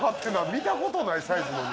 見たことないサイズの布。